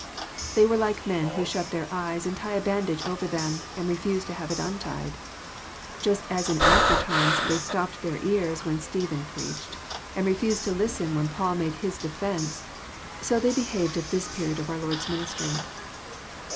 They were like men who shut their eyes and tie a bandage over them, and refuse to have it untied. Just as in after times they stopped their ears when Stephen preached, and refused to listen when Paul made his defence, so they behaved at this period of our Lord's ministry.